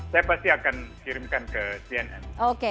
saya pasti akan kirimkan ke cnn